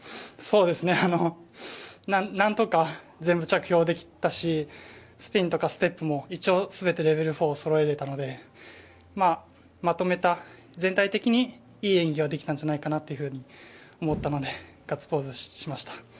なんとか全部着氷できたしスピンとかステップも一応全てレベル４をそろえられたのでまとめた、全体的にいい演技はできたんじゃないかと思ったのでガッツポーズしました。